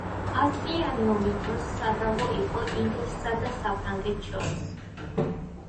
ასწლიანი ომის დროს სადავო იყო ინგლისსა და საფრანგეთს შორის.